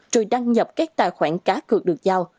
rồi đăng nhập các tài khoản cá cược được giao